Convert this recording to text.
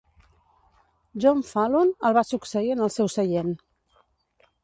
John Falloon el va succeir en el seu seient.